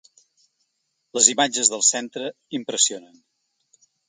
Les imatges del centre impressionen.